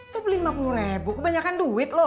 lo beli lima puluh ribu kebanyakan duit lo